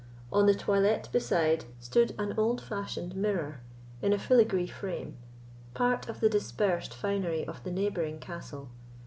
On the toilette beside, stood an old fashioned mirror, in a fillagree frame, part of the dispersed finery of the neighbouring castle.